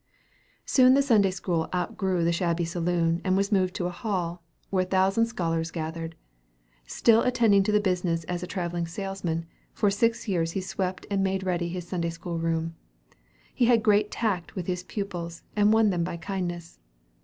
Soon the Sunday school outgrew the shabby saloon, and was moved to a hall, where a thousand scholars gathered. Still attending to business as a travelling salesman, for six years he swept and made ready his Sunday school room. He had great tact with his pupils, and won them by kindness.